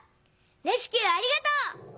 レスキューありがとう！」。